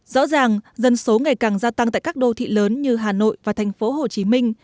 rõ ràng dân số ngày càng gia tăng tại các đô thị lớn như hà nội và thành phố hồ chí minh